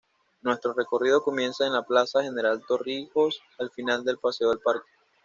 Nuestro recorrido comienza en la Plaza General Torrijos, al final del Paseo del Parque.